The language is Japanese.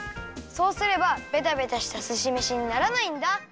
そうすればベタベタしたすしめしにならないんだ。